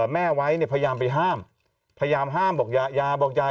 แม่ไว้เนี่ยพยายามไปห้ามพยายามห้ามบอกอย่าบอกยาย